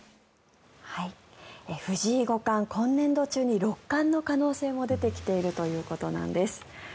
藤井五冠、今年度中に六冠の可能性も出てきているということです。